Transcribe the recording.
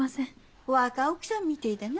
若奥さんみてえだな。